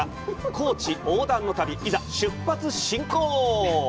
高知横断の旅、いざ出発進行！